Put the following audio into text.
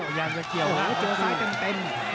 พยายามจะเกี่ยวโอ้โหแล้วเจ้าซ้ายจังเต็ม